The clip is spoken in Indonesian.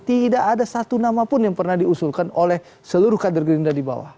tidak ada satu nama pun yang pernah diusulkan oleh seluruh kader gerindra di bawah